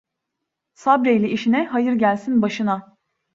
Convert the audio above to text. Sabreyle işine, hayır gelsin başına.